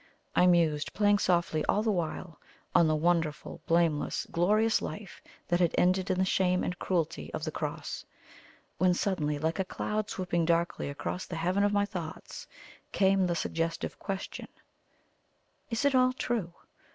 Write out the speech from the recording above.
I mused, playing softly all the while, on the wonderful, blameless, glorious life that had ended in the shame and cruelty of the Cross, when suddenly, like a cloud swooping darkly across the heaven of my thoughts, came the suggestive question: "Is it all true?